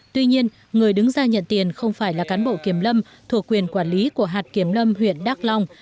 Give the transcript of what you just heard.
tuy nhiên người đứng ra nhận tiền không phải là cán bộ kiểm lâm thuộc quyền quản lý của hạt kiểm lâm huyện đắk long